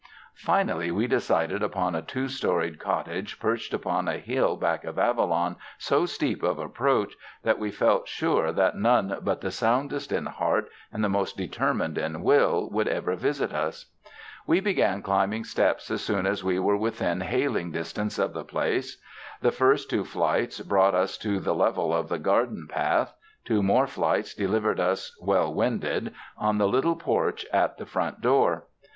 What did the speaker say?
Finally we decided upon a two storied cot tage perched upon a hill back of Avalon so steep of approach that we felt sure that none but the sound est in heart and the most determined in will would ever visit us. We began climbing steps as soon as we were within liailing distance of the place. The first two flights brought us to the level of the gar den path; two more flights delivered us, well winded, on the little porch at the front door.